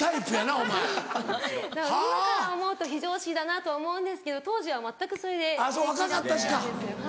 今から思うと非常識だなとは思うんですけど当時は全くそれで平気だったんですよ。